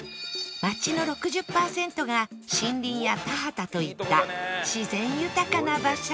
町の６０パーセントが森林や田畑といった自然豊かな場所